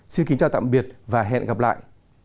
xin chào tạm biệt và hẹn gặp lại